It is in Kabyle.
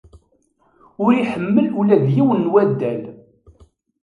Ur iḥemmel ula d yiwen n waddal.